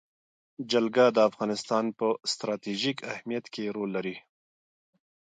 جلګه د افغانستان په ستراتیژیک اهمیت کې رول لري.